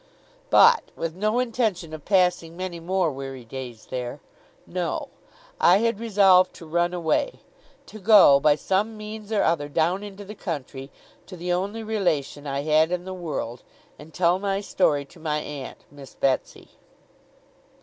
But with no intention of passing many more weary days there. No. I had resolved to run away. To go, by some means or other, down into the country, to the only relation I had in the world, and tell my story to my aunt, Miss Betsey.